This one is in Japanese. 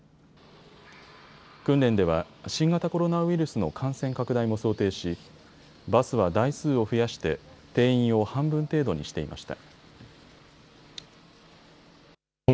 訓練では新型コロナウイルスの感染拡大も想定しバスは台数を増やして定員を半分程度にしていました。